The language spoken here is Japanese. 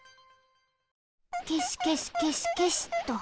けしけしけしけしと！